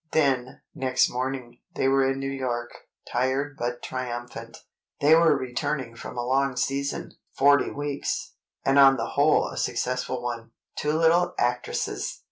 Then, next morning, they were in New York, tired but triumphant. They were returning from a long season—forty weeks!—and on the whole, a successful one. Two little actresses!